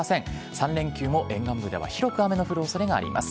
３連休も沿岸部では広く雨の降るおそれがあります。